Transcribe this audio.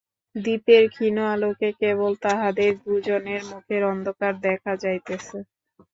দীপের ক্ষীণ আলোকে কেবল তাঁহাদের দুইজনের মুখের অন্ধকার দেখা যাইতেছে।